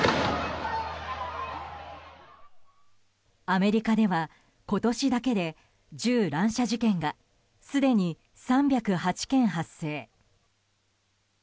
アメリカでは今年だけで銃乱射事件がすでに３０８件発生。